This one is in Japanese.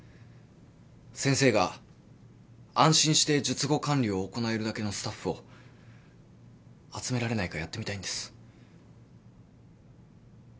先生が安心して術後管理を行えるだけのスタッフを集められないかやってみたいんです。